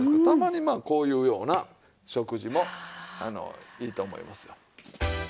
たまにまあこういうような食事もいいと思いますよ。